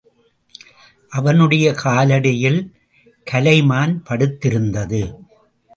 அவனுடைய காலடியில் கலைமான் படுத்திருந்தது.